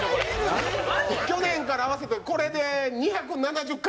去年から合わせてこれで。